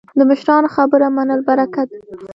د مشرانو خبره منل برکت دی